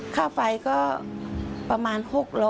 ค่าไฟก็ประมาณ๖๐๐